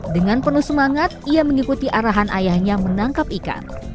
dengan penuh semangat ia mengikuti arahan ayahnya menangkap ikan